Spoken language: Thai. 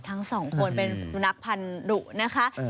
ทั้งสองคนเป็นสุนัขพันธุนะคะ